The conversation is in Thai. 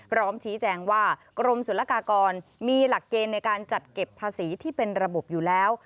พร้อมชี้แจงว่ากรมศุลกากรมีหลักเกณฑ์ในการจัดเก็บภาษีที่เป็นระบบอยู่แล้ว